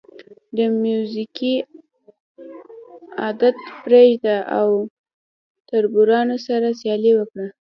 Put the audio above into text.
د موزیګي عادت پرېږده او تربورانو سره سیالي وکړه.